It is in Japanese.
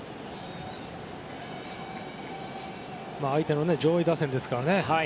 相手の上位打線ですから。